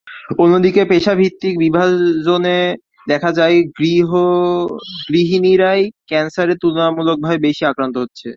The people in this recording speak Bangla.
অন্যদিকে পেশাভিত্তিক বিভাজনে দেখা যায়, গৃহিণীরাই ক্যানসারে তুলনামূলকভাবে বেশি আক্রান্ত হচ্ছে।